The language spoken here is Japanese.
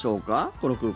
この空港。